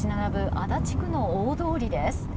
足立区の大通りです。